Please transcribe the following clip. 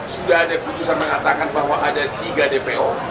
sudah ada putusan mengatakan bahwa ada tiga dpo